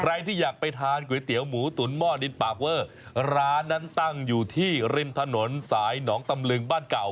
ใครที่อยากไปทานก๋วยเตี๋ยวหมูตุ๋นหม้อดินปากเวอร์ร้านนั้นตั้งอยู่ที่ริมถนนสายหนองตำลึงบ้านเก่า